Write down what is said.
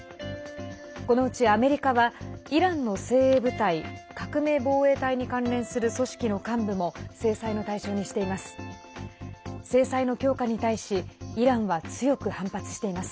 このうちアメリカはイランの精鋭部隊革命防衛隊に関連する組織の幹部も制裁の対象にしています。